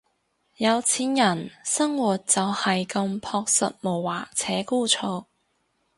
有錢人生活就係咁樸實無華且枯燥